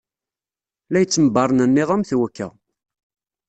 La yettembernenniḍ am twekka.